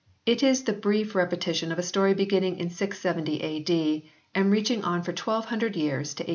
It is the brief repetition of a story beginning in 670 A.D. and reaching on for twelve hundred years to 1870.